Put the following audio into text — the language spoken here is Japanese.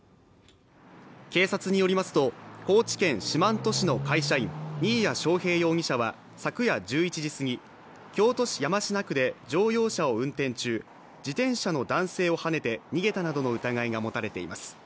警察によりますと高知県四万十市の会社員新谷尚平容疑者は昨夜１１時すぎ、京都市山科区で乗用車を運転中、自転車の男性をはねて逃げたなどの疑いが持たれています。